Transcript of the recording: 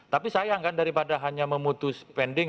tapi sayang kan daripada hanya memutus pending